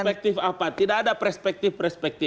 perspektif apa tidak ada perspektif perspektif